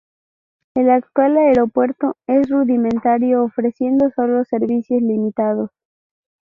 El actual aeropuerto es rudimentario, ofreciendo sólo servicios limitados.